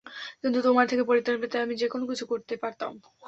কিন্তু তোমার থেকে পরিত্রাণ পেতে আমি যেকোনো কিছু করতে পারতাম।